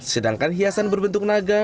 sedangkan hiasan berbentuk naga